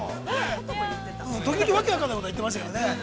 時々、訳分からないことは言ってましたけどね。